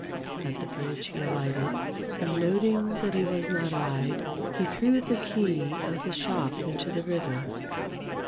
At the bridge he alighted, and noting that he was not eyed, he threw the key of the shop into the river.